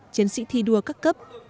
chiến sĩ thi đua các cấp